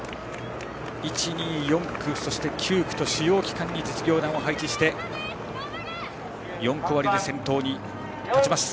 １、２、４区そして９区と主要区間に実業団を配置して４区終わりで先頭に立ちます。